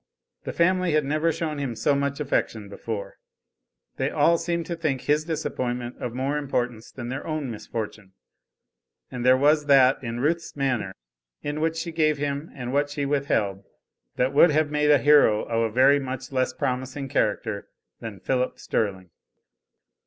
The family had never shown him so much affection before; they all seemed to think his disappointment of more importance than their own misfortune. And there was that in Ruth's manner in what she gave him and what she withheld that would have made a hero of a very much less promising character than Philip Sterling.